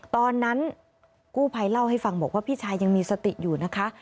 ตอนนั้นกู้ภัยเล่าให้ฟังบอกว่าพี่ชายยังมีสติอยู่นะคะ